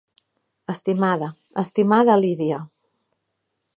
Estimada, estimada Lydia!